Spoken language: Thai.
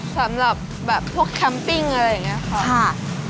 สำหรับแบบพวกแคมปิ้งอะไรอย่างนี้ค่ะ